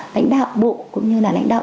lãnh đạo bộ cũng như là lãnh đạo